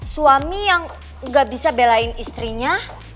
suami yang gak bisa belain istrinya